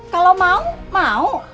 kalau mau mau